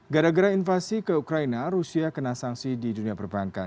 gara gara invasi ke ukraina rusia kena sanksi di dunia perbankan